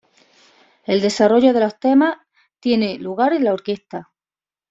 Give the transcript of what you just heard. El desarrollo de los temas tiene lugar en la orquesta.